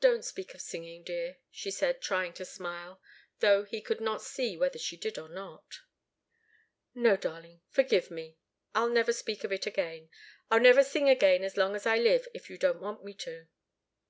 "Don't speak of singing, dear," she said, trying to smile, though he could not see whether she did or not. "No, darling forgive me. I'll never speak of it again. I'll never sing again as long as I live, if you don't want me to."